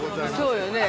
◆そうよね。